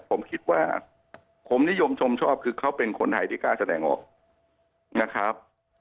ผมคิดว่าผมนิยมชมชอบคือเขาเป็นคนไทยที่กล้าแสดงออกนะครับ